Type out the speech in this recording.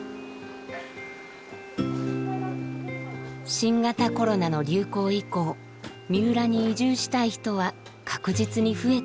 新型コロナの流行以降三浦に移住したい人は確実に増えているといいます。